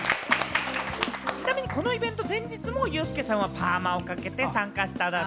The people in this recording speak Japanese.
ちなみに、このイベント前日もユースケさんはパーマをかけて参加してたんだって。